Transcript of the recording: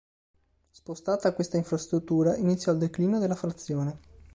Spostata questa infrastruttura, iniziò il declino della frazione.